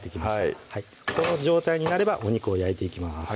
はいこの状態になればお肉を焼いていきます